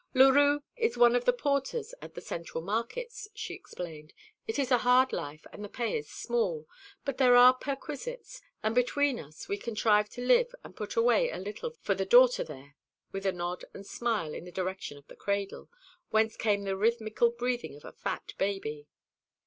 "Leroux is one of the porters at the Central Markets," she explained. "It is a hard life, and the pay is small; but there are perquisites, and between us we contrive to live and to put away a little for the daughter there," with a nod and a smile in the direction of the cradle, whence came the rhythmical breathing of a fat baby.